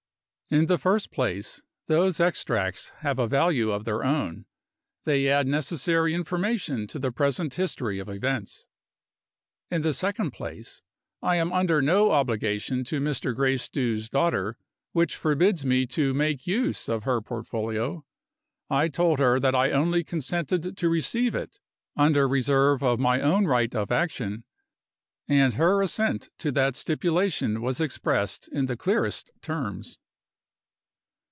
In the first place, those extracts have a value of their own. They add necessary information to the present history of events. In the second place, I am under no obligation to Mr. Gracedieu's daughter which forbids me to make use of her portfolio. I told her that I only consented to receive it, under reserve of my own right of action and her assent to that stipulation was expressed in the clearest terms.